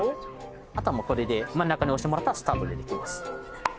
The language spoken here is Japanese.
あとはもうこれで真ん中押してもらったらスタートでできます。